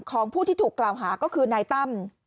ของผู้ที่ถูกกล่าวหาก็คือนายตั้ม